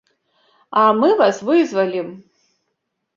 А мы вас вызвалім.